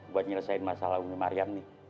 buat nyelesain masalah umum maryam nih